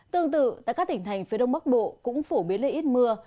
tương tự tại các tỉnh thành phía đông bắc bộ cũng phổ biến là ít mưa